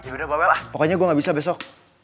yaudah bawa bawa lah pokoknya gue gak bisa besok